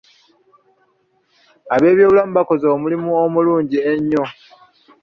Ab'ebyobulamu bakoze omulimu omulungi ennyo